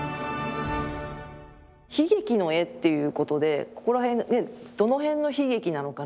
悲劇の絵っていうことでここら辺ねどの辺の悲劇なのかなっていう。